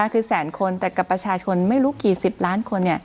คือแสนคนแต่กับประชาชนไม่รู้กี่สิบล้านคน